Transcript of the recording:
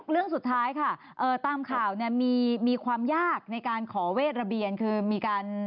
เรื่องสุดท้ายค่ะตามข่าวมีความยากในการขอเวทระเบียน